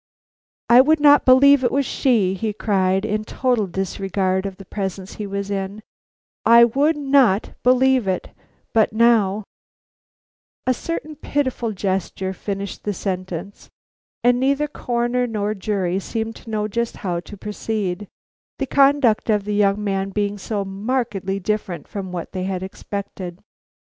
"I would not believe it was she," he cried, in total disregard of the presence he was in, "I would not believe it; but now " A certain pitiful gesture finished the sentence, and neither Coroner nor jury seemed to know just how to proceed, the conduct of the young man being so markedly different from what they had expected.